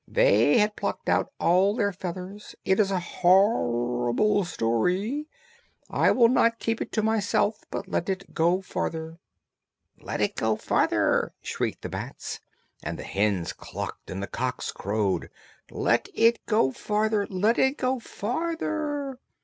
They had plucked out all their feathers. It is a horrible story: I will not keep it to myself, but let it go farther." "Let it go farther," shrieked the bats, and the hens clucked and the cocks crowed, "Let it go farther! Let it go farther!"